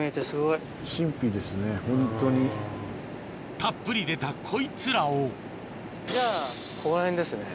たっぷり出たこいつらをじゃあここら辺ですね。